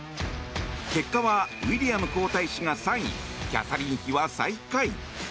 結果はウィリアム皇太子が３位キャサリン妃は最下位。